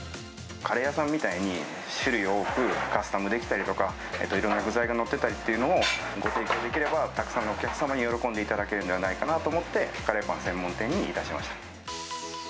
カレー屋さんみたいに、種類多く、カスタムできたりとか、いろいろな具材が載ってたりっていうのをご提供できれば、たくさんのお客様に喜んでいただけるんではないかなと思って、カレーパン専門店にいたしました。